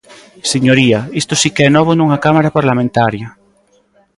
Señoría, isto si que é novo nunha cámara parlamentaria.